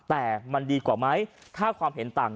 แต่มันดีกว่าไหมถ้าความเห็นต่าง